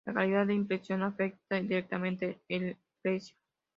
La calidad de impresión afecta directamente el precio.